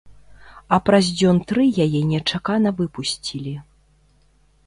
А праз дзён тры яе нечакана выпусцілі.